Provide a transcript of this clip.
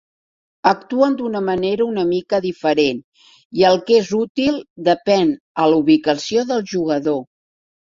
Actuen d'una manera una mica diferent i el que és útil depèn a la ubicació del jugador.